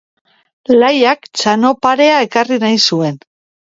Laiak txano parea ekarri nahi zuen.